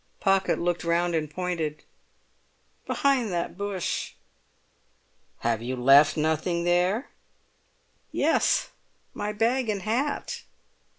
Pocket looked round and pointed. "Behind that bush." "Have you left nothing there?" "Yes; my bag and hat!"